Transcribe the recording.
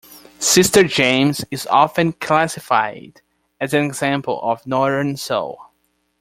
"Sister James" is often classified as an example of Northern Soul.